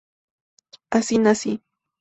Así nací.